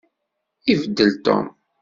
Ibeddel Tom.